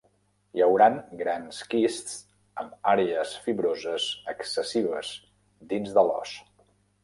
Hi hauran grans quists amb àrees fibroses excessives dins de l'os.